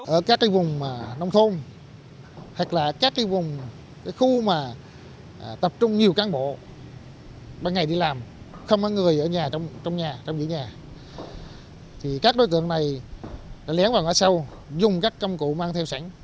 ở các cái vùng nông thôn hoặc là các cái vùng cái khu mà tập trung nhiều cán bộ ba ngày đi làm không có người ở nhà trong nhà trong dưới nhà thì các đối tượng này đã lén vào ngoài sau dùng các công cụ mang theo sẵn